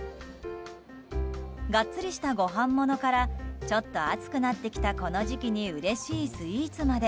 ガッツリしたごはんものからちょっと暑くなってきたこの時期にうれしいスイーツまで